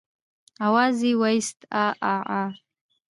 آواز يې واېست عاعاعا.